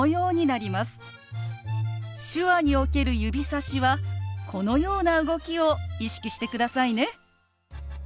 手話における指さしはこのような動きを意識してくださいね。